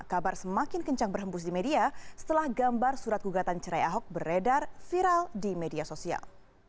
kabar semakin kencang berhembus di media setelah gambar surat gugatan cerai ahok beredar viral di media sosial